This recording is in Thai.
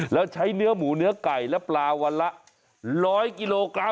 แล้วใช้เนื้อหมูเนื้อไก่และปลาวันละ๑๐๐กิโลกรัม